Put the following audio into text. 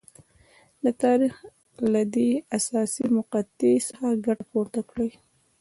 د تاریخ له دې حساسې مقطعې څخه ګټه پورته کړي.